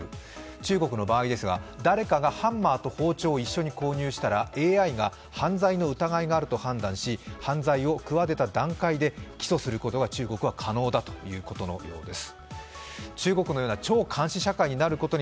中国の場合ですが、誰かがハンマーと包丁を一緒に購入したらＡＩが犯罪の疑いがあると判断し犯罪を企てた段階で起訴することが中国は可能ということのようです。